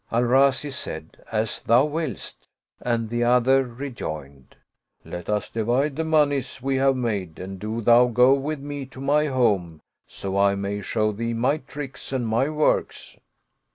Al Razi said, " As thou wiliest "; and the other rejoined, " Let us divide the moneys we have made and do thou go with me to my home, so I may show thee my tricks and my works."